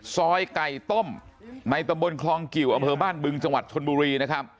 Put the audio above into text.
ซอยไก่ต้มในตำบลคลองกิวอำเภอบ้านบึงจังหวัดชนบุรีนะครับ